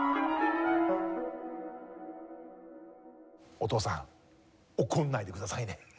お父さん怒んないでくださいね。